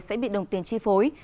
sẽ bị đồng tiền chi phối